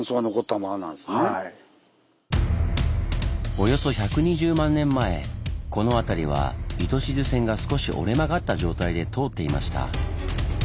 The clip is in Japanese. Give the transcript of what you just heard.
およそ１２０万年前この辺りは糸静線が少し折れ曲がった状態で通っていました。